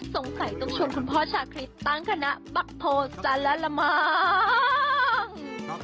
สงสัยต้องชวนคุณพ่อชาติฤทธิ์ตั้งคณะบัคโภจันทร์แล้วละมั้ง